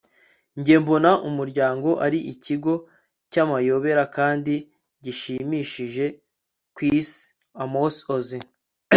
njye mbona umuryango ari ikigo cy'amayobera kandi gishimishije ku isi. - amos oz